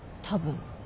多分。